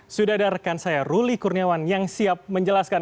sudah ada rekan saya ruli kurniawan yang siap menjelaskan